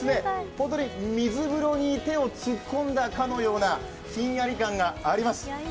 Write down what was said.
本当に水風呂に手をつっこんだかのようなひんやり感があります。